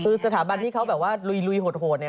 คือสถาบันที่เขาแบบว่าลุยโหดเนี่ย